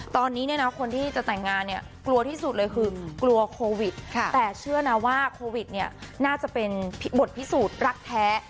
ตอนนี้เนี่ยนะคนที่จะแต่งงานเนี่ยกลัวที่สุดเลยคือกลัวโควิดแต่เชื่อนะว่าโควิดเนี่ยน่าจะเป็นบทพิสูจน์รักแท้